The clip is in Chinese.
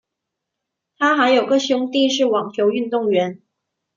她还有个兄弟是网球运动员。